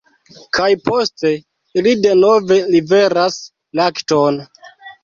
Kaj poste ili denove liveras lakton.